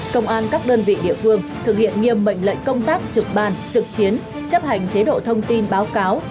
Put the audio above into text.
công an các đơn vị địa phương thực hiện nghiêm mệnh lệnh công tác trực ban trực chiến chấp hành chế độ thông tin báo cáo